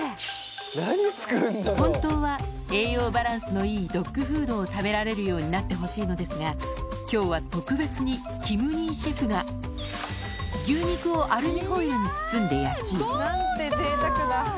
本当は栄養バランスのいいドッグフードを食べられるようになってほしいのですが、きょうは特別に、キム兄シェフが牛肉をアルミホイルに包んで焼き。